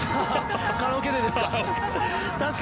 カラオケでですか！